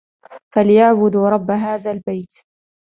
فليعبدوا رب هذا البيت